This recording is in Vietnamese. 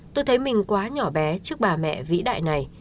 tôi thấy mình quá nhỏ bé trước bà mẹ vĩ đại này